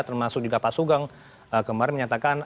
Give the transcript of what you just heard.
termasuk juga pak sugeng kemarin menyatakan